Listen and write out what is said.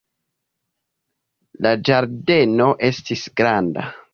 La ĝardeno estis granda.